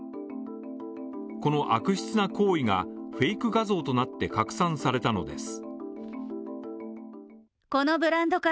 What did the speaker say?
この悪質な行為がフェイク画像となって拡散されたのです。